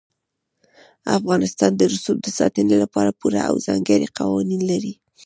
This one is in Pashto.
افغانستان د رسوب د ساتنې لپاره پوره او ځانګړي قوانین لري.